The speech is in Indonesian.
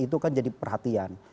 itu kan jadi perhatian